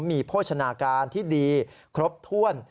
มีโภชนาการที่ดีครบถ้วน